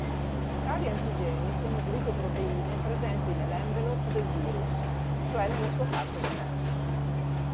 Tali antigeni sono glicoproteine presenti nell"'envelope" del virus, cioè nella sua parte esterna.